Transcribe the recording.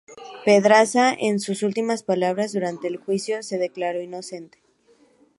Pedraza, en sus últimas palabras durante el juicio, se declaró inocente.